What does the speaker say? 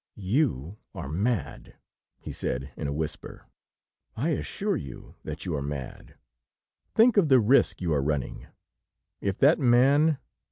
"You are mad," he said in a whisper. "I assure you that you are mad. Think of the risk you are running. If that man